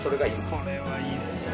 これはいいですね。